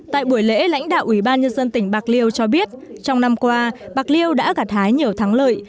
tại buổi lễ lãnh đạo ủy ban nhân dân tỉnh bạc liêu cho biết trong năm qua bạc liêu đã gặt hái nhiều thắng lợi